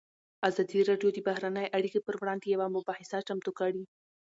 ازادي راډیو د بهرنۍ اړیکې پر وړاندې یوه مباحثه چمتو کړې.